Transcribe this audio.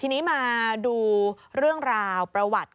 ทีนี้มาดูเรื่องราวประวัติ